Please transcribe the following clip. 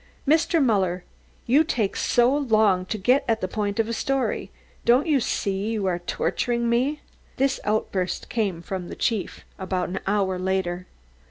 "Dear Muller, you take so long to get at the point of the story! Don't you see you are torturing me?" This outburst came from the Chief about an hour later.